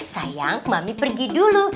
sayang mami pergi dulu